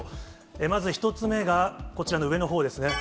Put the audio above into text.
まず１つ目が、こちらの上のほうですね。